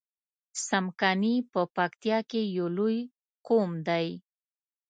څمکني په پکتیا کی یو لوی قوم دی